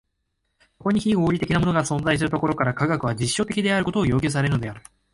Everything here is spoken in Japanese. そこに非合理的なものが存在するところから、科学は実証的であることを要求されるのである。